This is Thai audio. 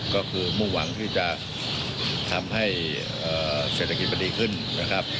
ก็คือมู้หวังที่จะทำให้เศรษฐกิจเป็นดีขึ้นเหรอคะ